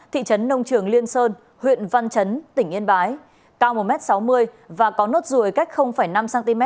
thị trấn nông trường liên sơn huyện văn chấn tỉnh yên bái cao một m sáu mươi và có nốt ruồi cách năm cm